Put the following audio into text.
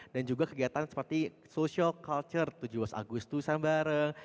dan juga kegiatan seperti social culture tujuh agustus sama bareng